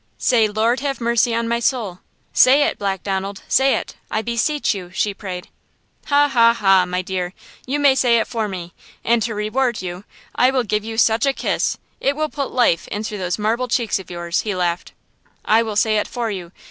"Say 'Lord have mercy on my soul'–say it, Black Donald–say it. I beseech you!" she prayed. "Ha, ha, ha, my dear! You may say it for me! And to reward you, I will give you, such a kiss! It will put life into those marble cheeks of yours!" he laughed. "I will say it for you!